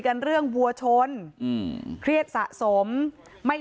โปรดติดตามต่อไป